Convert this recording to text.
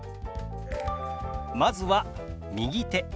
まずは「右手」。